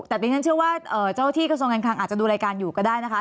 แต่ดิฉันเชื่อว่าเจ้าที่กระทรวงการคลังอาจจะดูรายการอยู่ก็ได้นะคะ